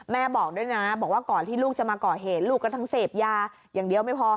บอกด้วยนะบอกว่าก่อนที่ลูกจะมาก่อเหตุลูกก็ทั้งเสพยาอย่างเดียวไม่พอ